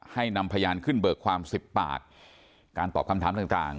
นำพยานขึ้นเบิกความสิบปากการตอบคำถามต่าง